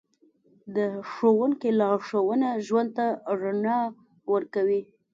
د ښوونکي لارښوونه ژوند ته رڼا ورکوي.